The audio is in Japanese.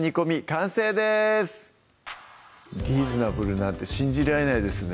完成ですリーズナブルなんて信じられないですね